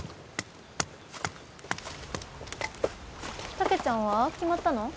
たけちゃんは決まったの？